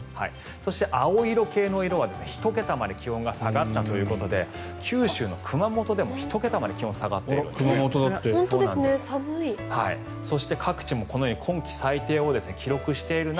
そして、青色系の色は１桁まで気温が下がったということで九州の熊本でも１桁まで気温が下がっている。